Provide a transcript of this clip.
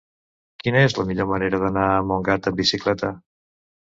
Quina és la millor manera d'anar a Montgat amb bicicleta?